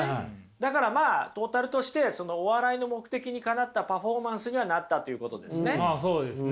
だからトータルとしてお笑いの目的にかなったパフォーマンスにはなったということですね。